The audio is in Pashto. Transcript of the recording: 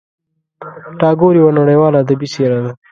ټاګور یوه نړیواله ادبي څېره ده.